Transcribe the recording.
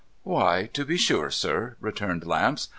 ' Why, to be sure, sir,' returned Lamps.